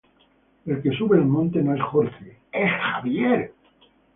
El que sube al monte no es Jorge, ¡es Javier!